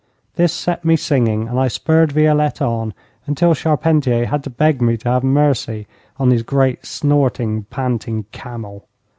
This set me singing, and I spurred Violette on, until Charpentier had to beg me to have mercy on his great, snorting, panting camel.